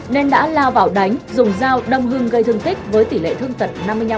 nên đã lao vào đánh dùng dao đâm hưng gây thương tích với tỷ lệ thương tật năm mươi năm